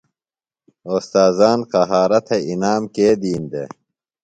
اوستاذان قہارہ تھےۡ انعام کے دِین دےۡ؟